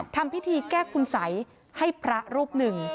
ทำพิธีแก้คุณสัยให้พระรูปหนึ่ง